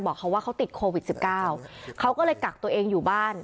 บอกเขาว่าเขาติดโควิด๑๙เขาก็เลยกักตัวเองอยู่บ้าน